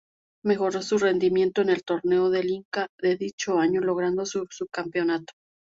Mejoró su rendimiento en el Torneo del Inca de dicho año, logrando el subcampeonato.